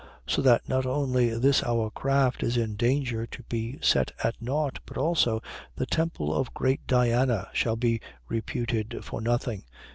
19:27. So that not only this our craft is in danger to be set at nought, but also the temple of great Diana shall be reputed for nothing!